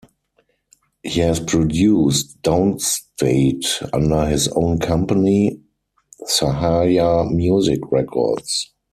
He has produced Downstait under his own company, Sahaja Music Records.